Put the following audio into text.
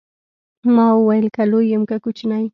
ما وويل که لوى يم که کوچنى.